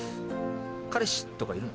彼氏とかいるの？